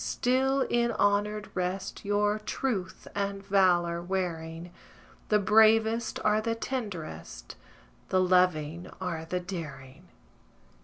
still in honoured rest Your truth and valour wearing: The bravest are the tenderest, The loving are the daring.